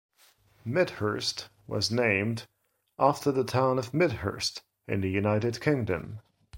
Midhurst was named after the town of Midhurst, in the United Kingdom.